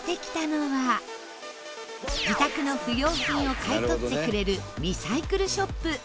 自宅の不要品を買い取ってくれるリサイクルショップ。